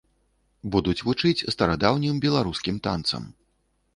Будуць вучыць старадаўнім беларускім танцам.